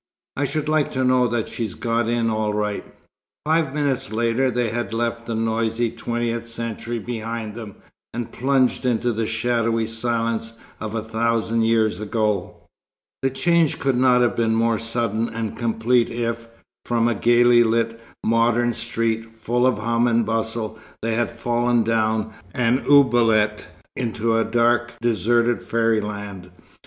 "I should like to know that she's got in all right." Five minutes later they had left the noisy Twentieth Century behind them, and plunged into the shadowy silence of a thousand years ago. The change could not have been more sudden and complete if, from a gaily lighted modern street, full of hum and bustle, they had fallen down an oubliette into a dark, deserted fairyland.